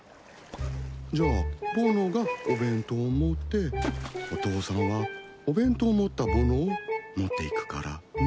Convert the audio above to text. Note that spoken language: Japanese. じゃあぼのがお弁当を持ってお父さんはお弁当を持ったぼのを持っていくからね。